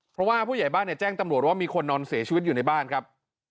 เพราะว่าผู้ใหญ่บ้านแจ้งตำรวจว่ามีคนนอนเสียชีวิตอยู่ในบ้านครับ